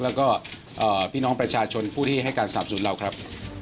แล้วก็พี่น้องประชาชนผู้ที่ให้การสนับสนุนเราครับ